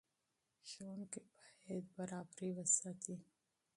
ښوونکي باید عدالت وساتي.